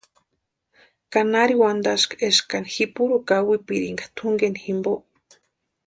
¿Ka nari wantaski eska ji puro kawipirinka tʼunkini jimpo?